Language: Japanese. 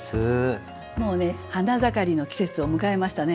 もうね花盛りの季節を迎えましたね。